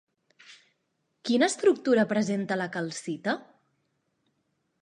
Quina estructura presenta la calcita?